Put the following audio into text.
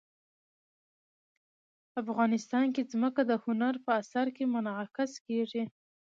افغانستان کې ځمکه د هنر په اثار کې منعکس کېږي.